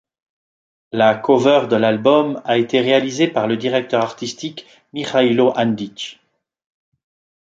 La cover de l'album a été réalisée par le directeur artistique Mihailo Andic.